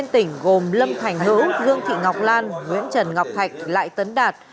năm tỉnh gồm lâm thành hữu dương thị ngọc lan nguyễn trần ngọc thạch lại tấn đạt